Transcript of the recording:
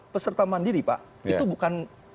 peserta mandiri pak itu bukan